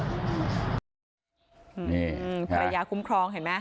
นี่ภรรยากุ้มครองเห็นมั้ย